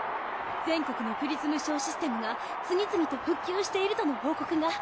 全国のプリズムショーシステムが次々と復旧しているとの報告が。